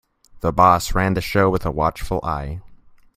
The boss ran the show with a watchful eye.